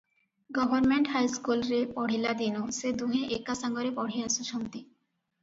Government ହାଇସ୍କୁଲରେ ପଢ଼ିଲା ଦିନୁଁ ସେ ଦୁହେଁ ଏକାସାଙ୍ଗରେ ପଢ଼ି ଆସୁଛନ୍ତି ।